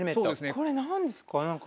これ何ですか？